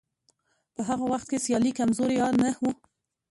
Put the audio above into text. په هغه وخت کې سیالي کمزورې یا نه وه.